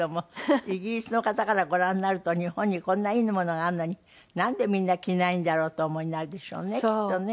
イギリスの方からご覧になると日本にこんないいものがあるのになんでみんな着ないんだろうとお思いになるでしょうねきっとね。